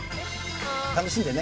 楽しんでね。